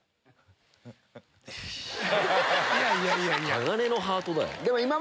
鋼のハートだよ。